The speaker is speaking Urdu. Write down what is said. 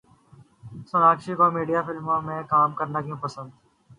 سوناکشی کو کامیڈی فلموں میں کام کرنا کیوں پسند